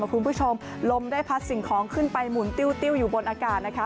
คุณผู้ชมลมได้พัดสิ่งของขึ้นไปหมุนติ้วอยู่บนอากาศนะคะ